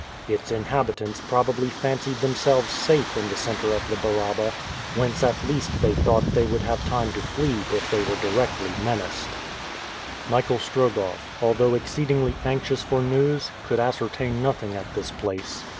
Its inhabitants probably fancied themselves safe in the center of the Baraba, whence at least they thought they would have time to flee if they were directly menaced. Michael Strogoff, although exceedingly anxious for news, could ascertain nothing at this place.